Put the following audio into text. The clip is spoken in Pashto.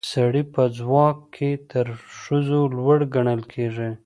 سړي په ځواک کې تر ښځو لوړ ګڼل کیږي